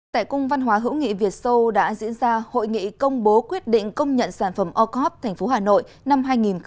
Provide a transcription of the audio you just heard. tại cung văn hóa hữu nghị việt sâu đã diễn ra hội nghị công bố quyết định công nhận sản phẩm o cop thành phố hà nội năm hai nghìn hai mươi